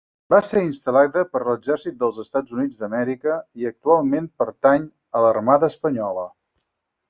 Va ser instal·lada per l'exèrcit dels Estats Units d'Amèrica, i actualment pertany a l'Armada Espanyola.